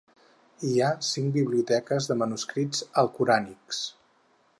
Hi ha cinc biblioteques de manuscrits alcorànics.